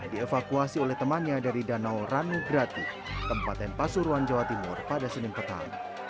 dievakuasi oleh temannya dari danau ranu grati tempat tempat suruhan jawa timur pada senin petang